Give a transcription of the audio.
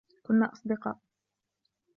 كنّا أصدقاء.